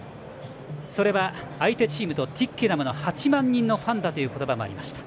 それは相手チームとトゥイッケナムの８万人のファンだという言葉もありました。